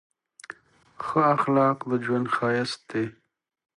ښه اخلاق د ژوند ښایست دی.